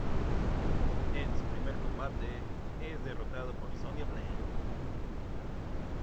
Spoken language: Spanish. En su primer combate, es derrotado por Sonya Blade.